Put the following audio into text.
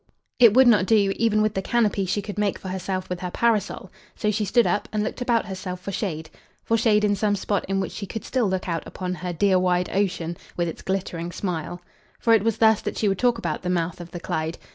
It would not do, even with the canopy she could make for herself with her parasol. So she stood up and looked about herself for shade; for shade in some spot in which she could still look out upon "her dear wide ocean, with its glittering smile." For it was thus that she would talk about the mouth of the Clyde.